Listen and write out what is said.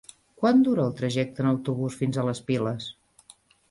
Quant dura el trajecte en autobús fins a les Piles?